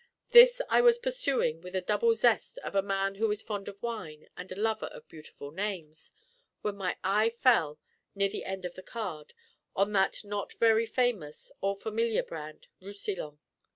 This I was perusing with the double zest of a man who is fond of wine and a lover of beautiful names, when my eye fell (near the end of the card) on that not very famous or familiar brand, Roussillon.